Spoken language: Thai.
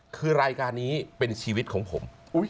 คือรายการนี้เป็นชีวิตของผม